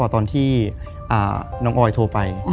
ตอนที่น้องออยโทรไป